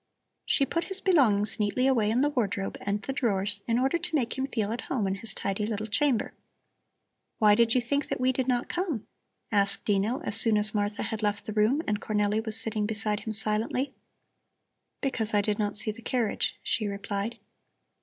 She put his belongings neatly away in the wardrobe and the drawers in order to make him feel at home in his tidy little chamber. "Why did you think that we did not come?" asked Dino as soon as Martha had left the room and Cornelli was sitting beside him silently. "Because I did not see the carriage," she replied.